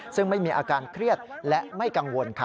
ซึ่งไม่มีอาการเครียดและไม่กังวล